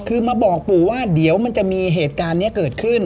คือมาบอกปู่ว่าเดี๋ยวมันจะมีเหตุการณ์นี้เกิดขึ้น